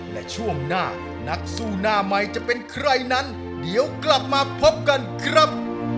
และช่วงหน้านักสู้หน้าใหม่จะเป็นใครนั้นเดี๋ยวกลับมาพบกันครับ